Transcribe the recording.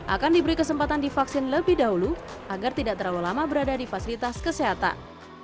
akan diberi kesempatan divaksin lebih dahulu agar tidak terlalu lama berada di fasilitas kesehatan